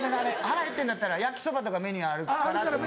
腹へってんだったら焼きそばとかメニューあるから」